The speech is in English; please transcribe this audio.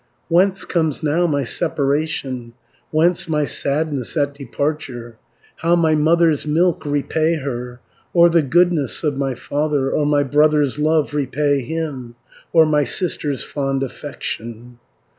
"Whence comes now my separation, Whence my sadness at departure, How my mother's milk repay her. Or the goodness of my father, 330 Or my brother's love repay him, Or my sister's fond affection?